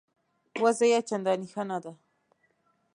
وضع یې چنداني ښه نه ده.